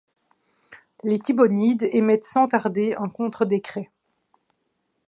Les Tibbonides émettent sans tarder un contre-décret.